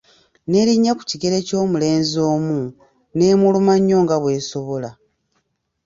N'elinnya ku kigere ky'omulenzi omu, n'emuluma nnyo nga bw'esobola.